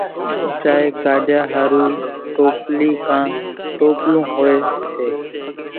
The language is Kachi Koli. چائيَ ڪاڍِيا ۿارُو ٽوپلِي ڪان ٽوپلون هوئيَ سي۔